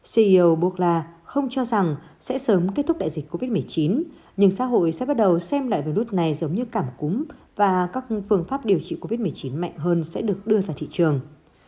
ceo borla không cho rằng sẽ sớm kết thúc đại dịch covid một mươi chín nhưng xã hội sẽ bắt đầu xem loại virus này giống như cảm cúm và các phương pháp điều trị covid một mươi chín mạnh hơn sẽ được đưa ra thị trường